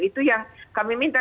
itu yang kami minta